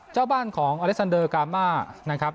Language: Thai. เจ้าบ้านของอเล็กซันเดอร์กามานะครับ